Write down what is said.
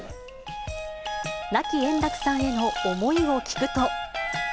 亡き円楽さんへの思いを聞くと。